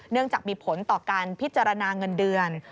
จากมีผลต่อการพิจารณาเงินเดือน